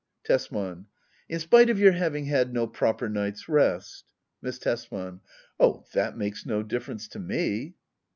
Tesman. In spite of your having had no proper night's rest? Miss Tesman. Oh, that makes no difference to me.